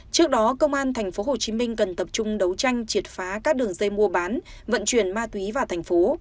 trước đó công an tp hcm cần tập trung đấu tranh triệt phá các đường dây mua bán vận chuyển ma túy vào thành phố